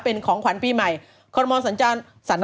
เป็นของขวัญปีใหม่คอรมอสัญจร